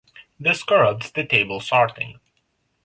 This corrupts the table sorting.